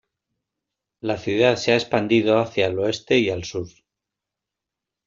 La ciudad se ha expandido hacia el oeste y al sur.